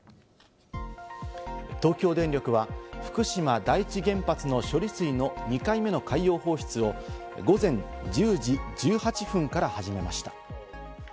東京電力は福島第一原発の処理水の２回目の海洋放出を午前１０時１８分から始めました。